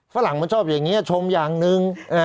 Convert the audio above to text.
ฝรั่งมันชอบอย่างนี้ชมอย่างหนึ่ง